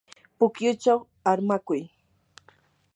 pukyuchaw armakuy.